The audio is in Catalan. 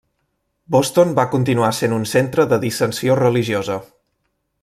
Boston va continuar sent un centre de dissensió religiosa.